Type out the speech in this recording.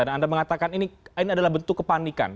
dan anda mengatakan ini adalah bentuk kepanikan